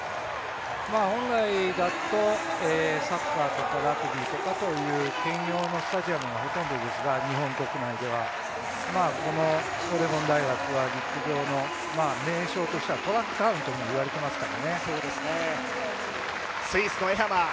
本来だとサッカーとかラグビーとかと兼用のスタジアムがほとんどですが、日本国内では、このオレゴン大学は陸上の名所としてはトラックタウンといわれていますからね。